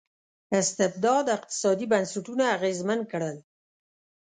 استبداد اقتصادي بنسټونه اغېزمن کړل.